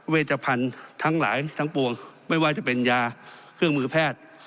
เวชพันธุ์ทั้งหลายทั้งปวงไม่ว่าจะเป็นยาเครื่องมือแพทย์